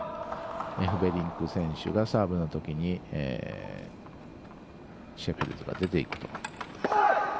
エフベリンク選手がサーブのときにシェフェルスが出てくると。